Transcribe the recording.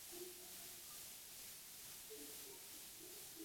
于是渐渐有回族人开始在缅甸定居。